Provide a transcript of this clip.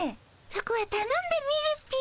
そこはたのんでみるっピ。